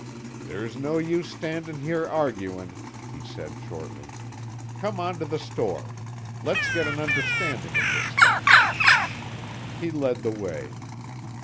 "There's no use standin' here arguin'," he said shortly. "Come on to the store. Let's get an understandin' of this thing." He led the way.